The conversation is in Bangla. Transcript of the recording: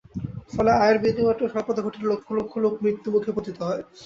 ফলে আয়ের বিন্দুমাত্র স্বল্পতা ঘটিলে লক্ষ লক্ষ লোক মৃত্যুমুখে পতিত হয়।